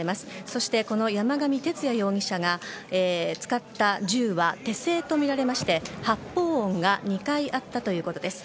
そして、この山上徹也容疑者が使った銃は手製とみられまして発砲音が２回あったということです。